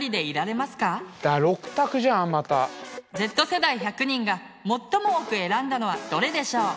Ｚ世代１００人が最も多く選んだのはどれでしょう。